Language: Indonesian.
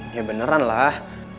ya beneran lah